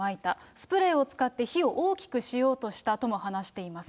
スプレーを使って火を大きくしようとしたとも話しています。